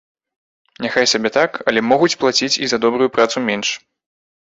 Няхай сабе так, але могуць плаціць і за добрую працу менш.